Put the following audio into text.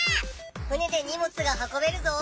船でにもつが運べるぞ！